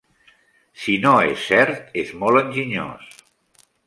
Si no és cert, és molt enginyós.